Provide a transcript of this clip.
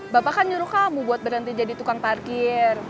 bapak kan nyuruh kamu buat berhenti jadi tukang parkir